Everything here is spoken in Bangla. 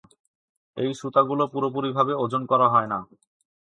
এই সুতাগুলো পুরোপুরিভাবে ওজন করা হয় না।